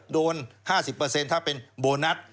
๕๐ถ้าเป็นโบนัส